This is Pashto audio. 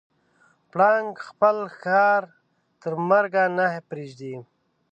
پړانګ خپل ښکار تر مرګه نه پرېږدي.